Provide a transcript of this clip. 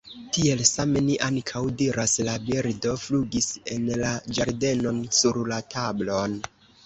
Tiel same ni ankaŭ diras «la birdo flugis en la ĝardenon, sur la tablon».